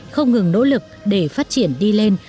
không ngừng nỗ lực để phát triển đi lên